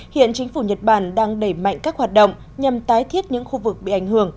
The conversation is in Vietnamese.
hiện chính phủ nhật bản đang đẩy mạnh các hoạt động nhằm tái thiết những khu vực bị ảnh hưởng